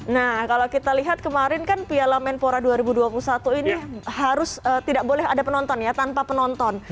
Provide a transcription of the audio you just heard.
nah kalau kita lihat kemarin kan piala menpora dua ribu dua puluh satu ini harus tidak boleh ada penonton ya tanpa penonton